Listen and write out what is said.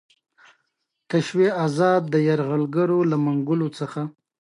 استاد او محصل دواړو مخکې له مخکې توافق درلود.